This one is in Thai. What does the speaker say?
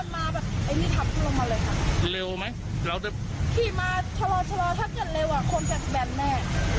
มีอะไรดีเกิดหรอ